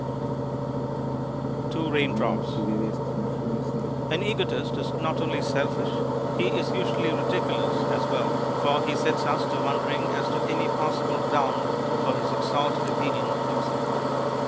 TWO RAINDROPS (A FABLE) An egotist is not only selfish; he is usually ridiculous as well, for he sets us to wondering as to any possible ground for his exalted opinion of himself.